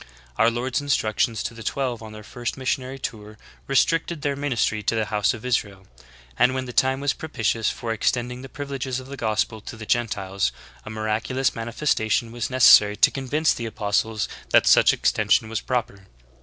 Our Lord's instructions to the chosen twelve on their first missionary tour restricted their ministry to the House of Israel;'^ and when the time was propitious for extending the privileges of the gospel to the Gentiles, a miraculous manifestation was necessary to convince the apostles that such extension was proper.